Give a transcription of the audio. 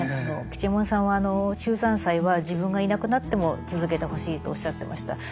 吉右衛門さんは秀山祭は自分がいなくなっても続けてほしいとおっしゃってました。